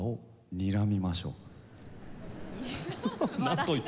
にらみましょう。